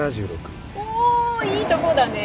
おいいとこだね。